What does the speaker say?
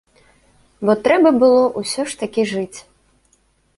Бо трэба было ўсё ж такі жыць.